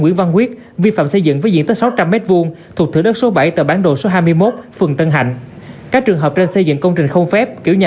ủy ban nhân dân thành phố hà nội đánh giá